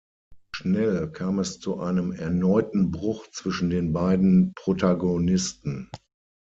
Schnell kam es zu einem erneuten Bruch zwischen den beiden Protagonisten.